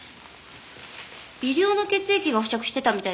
微量の血液が付着してたみたいです。